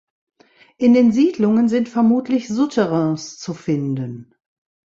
In den Siedlungen sind vermutlich Souterrains zu finden.